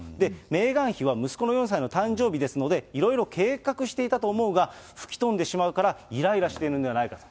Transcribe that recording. メーガン妃は息子の４歳の誕生日ですので、いろいろ計画していたと思うが、吹き飛んでしまうから、いらいらしているんではないかと。